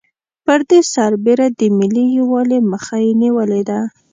پر دې سربېره د ملي یوالي مخه یې نېولې ده.